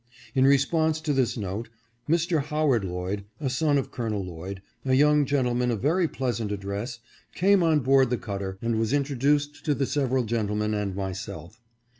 In response to this note, Mr. Howard Lloyd, a son of Col. Lloyd, a young gentleman of very pleasant address, came on board the cutter, and was introduced to the several gentlemen and myself.